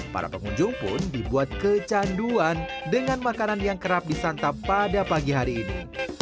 para pengunjung pun dibuat kecanduan dengan makanan yang kerap disantap pada pagi hari ini